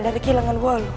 dari kilangan wolu